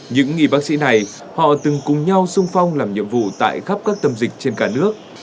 những y bác sĩ này họ từng cùng nhau sung phong làm nhiệm vụ tại khắp các tâm dịch trên cả nước